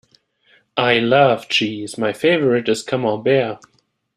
I love cheese; my favourite is camembert.